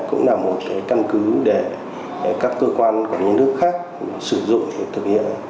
cũng là một căn cứ để các cơ quan quản lý nhà nước khác sử dụng để thực hiện